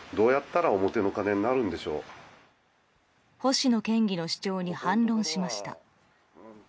星野県議の主張に反論しました。